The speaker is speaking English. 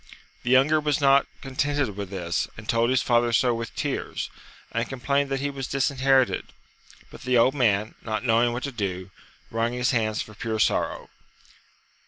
The younger was not contented with this, and told his father so with tears, and complained that he was disherited ; but the old man, not knowing what to do, wrung his hands for pure sorrow.